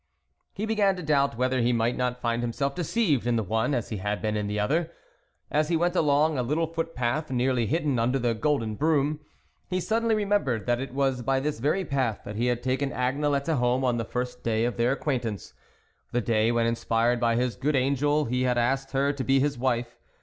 He began to doubt whether he might not find himself deceived in the one as he had been in the other. As he went along a little footpath nearly hidden under the golden broom, he sud denly remembered that it was by this very path that he had taken Agnelette home on the first day of their acquaint ance ; the day, when inspired by his good angel, he had asked her to be his wife.